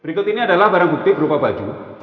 berikut ini adalah barang bukti berupa baju